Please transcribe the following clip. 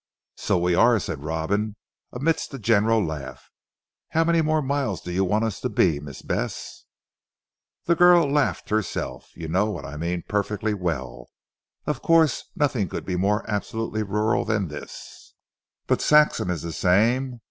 "So we are," said Robin amidst a general laugh. "How many more miles do you want us to be Miss Bess?" The girl laughed herself. "You know what I mean perfectly well. Of course nothing could be more absolutely rural than this, but Saxham is the same.